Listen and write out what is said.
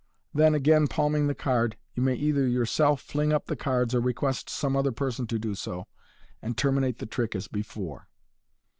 Then again palming the card, you may either yourself fling up the cards or request some other person to do so, and terminate the trick as before.